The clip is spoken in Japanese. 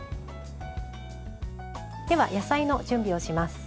では、野菜の準備をします。